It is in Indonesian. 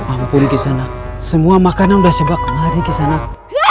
ampun kisanak semua makanan udah sebak kemari kisanak